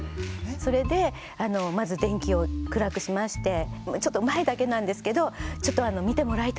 それでまず電気を暗くしましてちょっと前だけなんですけどちょっと見てもらいたいものがあると。